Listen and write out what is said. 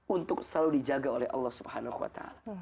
untuk selalu dijaga oleh allah swt